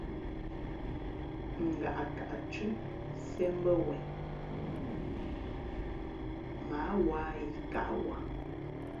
Ngaʼkaʼ thʉ̄ʼ siēʼ mbα̌ wen mα ǎ wa yi kaʼ wα.